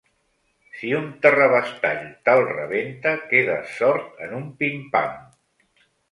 Si un terrabastall te'l rebenta quedes sord en un pimpam.